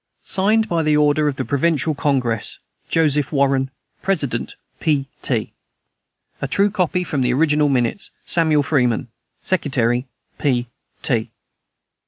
"Signed by order of the Provincial Congress, "JOSEPH WARREN, President, P. T. "A true copy from the original minutes, "SAMUEL FREEMAN, _Sec. P. T.